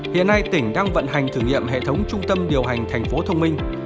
hiện nay tỉnh đang vận hành thử nghiệm hệ thống trung tâm điều hành thành phố thông minh